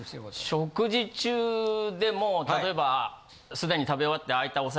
食事中でも例えばすでに食べ終わって。